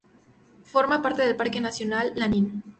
Forma parte del Parque Nacional Lanín.